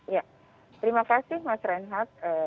ya terima kasih mas renhat